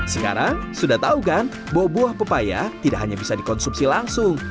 sekarang sudah tahu kan bahwa buah pepaya tidak hanya bisa dikonsumsi langsung